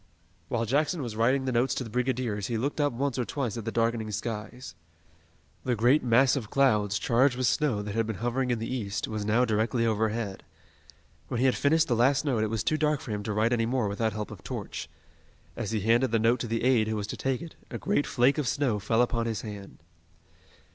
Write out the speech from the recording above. While Jackson was writing the notes to the brigadiers he looked up once or twice at the darkening skies. The great mass of clouds, charged with snow that had been hovering in the east, was now directly overhead. When he had finished the last note it was too dark for him to write any more without help of torch. As he handed the note to the aide who was to take it, a great flake of snow fell upon his hand.